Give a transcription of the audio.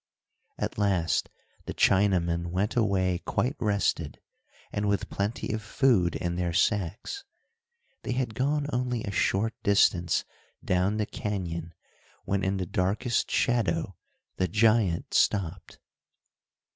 At last the Chinamen went away quite rested, and with plenty of food in their sacks. They had gone only a short distance down the cañon, when in the darkest shadow the giant stopped.